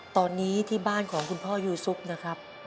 ตอนนี้ที่บ้านของคุณพ่อยูซุปนะครับ